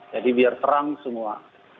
jadi biar terang semua